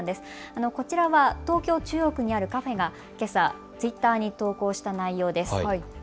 こちらは東京中央区にあるカフェがけさ、ツイッターに投稿した内容です。